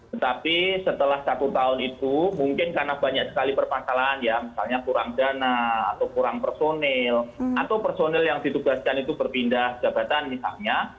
tetapi setelah satu tahun itu mungkin karena banyak sekali perpangkalan ya misalnya kurang dana atau kurang personil atau personil yang ditugaskan itu berpindah jabatan misalnya